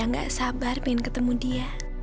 aku nggak sabar pengen ketemu dia